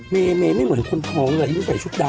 เมไม่เหมือนคนพ้องเลยใส่ชุดดำ